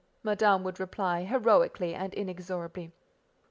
Madame would reply, heroically and inexorably.